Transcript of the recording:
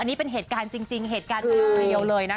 อันนี้เป็นเหตุการณ์จริงเหตุการณ์เยอะเลยนะคะ